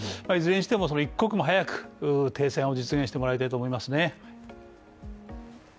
いずれにしても一刻も早く停戦を実現してもらいたいと思いますね。